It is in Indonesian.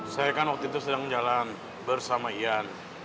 saya kan waktu itu sedang jalan bersama ian